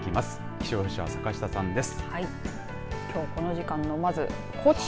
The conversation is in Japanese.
気象予報士は坂下さんです。